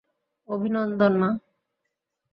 অভিনন্দন, মা!